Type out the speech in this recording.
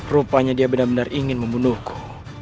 rupanya dia benar benar ingin membunuhku